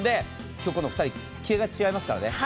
ここの２人、気合いが違いますからね。